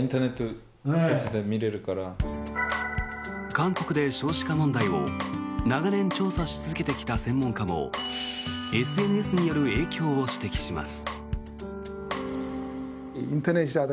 韓国で少子化問題を長年調査し続けてきた専門家もＳＮＳによる影響を指摘します。